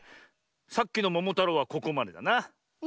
さっきの「ももたろう」はここまでだな。